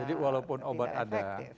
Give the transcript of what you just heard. jadi walaupun obat ada